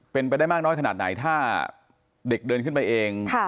เป็นไปได้มากน้อยขนาดไหนถ้าเด็กเดินขึ้นไปเอง